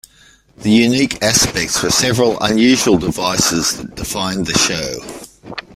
The unique aspects were several unusual devices that defined the show.